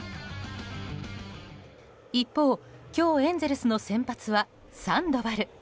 一方、今日エンゼルスの先発はサンドバル。